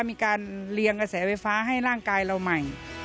มีการเรียงกระแสไฟฟ้าให้ร่างกายเราใหม่